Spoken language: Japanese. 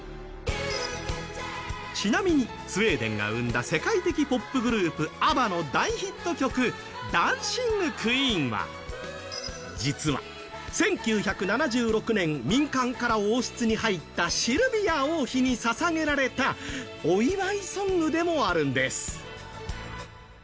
ちなみにスウェーデンが生んだ世界的ポップグループアバの大ヒット曲「ダンシング・クイーン」は実は、１９７６年民間から王室に入ったシルヴィア王妃に捧げられたお祝いソングでもあるんです。